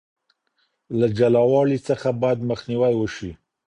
له جلاوالي څخه بايد مخنيوي وشي.